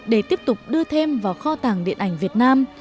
để tiếp tục đưa thêm vào kho tàng điện ảnh việt nam